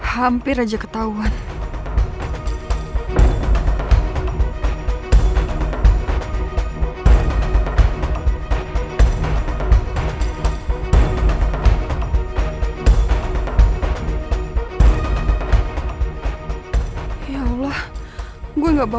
handphone gue ketinggalan lagi di rumah